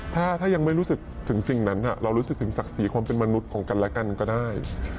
ถ้ายังไม่รู้สึกถึงสิ่งนั้นเรารู้สึกถึงศักดิ์ศรีความเป็นมนุษย์ของกันและกันก็ได้